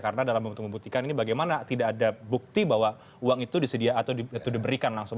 karena dalam bentuk membuktikan ini bagaimana tidak ada bukti bahwa uang itu disediakan atau diberikan langsung